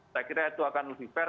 saya kira itu akan lebih fair